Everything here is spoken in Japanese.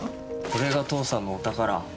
これが父さんのお宝。